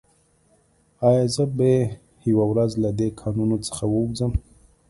ایا زه به یوه ورځ له دې کانونو څخه ووځم